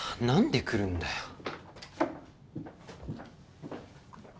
なんで来るんだよ。